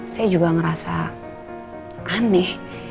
saya juga ngerasa aneh